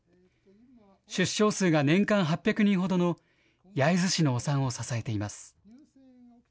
出生数が年間８００人ほどの焼津市のお産を支えています。